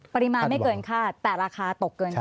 ปริมาณไม่เกินคาดแต่ราคาตกเกินไป